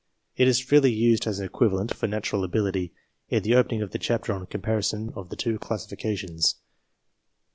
It is freely used as an equivalent for natural ability, in the opening of the chapter on " Comparison of the Two Classifications."